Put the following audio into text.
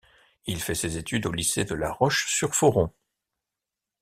Il fait ses études au lycée de La Roche-sur-Foron.